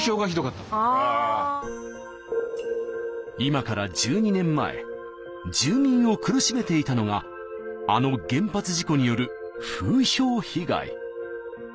今から１２年前住民を苦しめていたのがあの原発事故による風評被害。